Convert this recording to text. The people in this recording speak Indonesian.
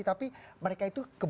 tapi mereka itu kebanyakan